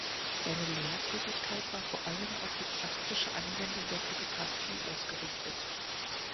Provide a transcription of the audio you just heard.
Seine Lehrtätigkeit war vor allem auf die praktische Anwendung der Fotografie ausgerichtet.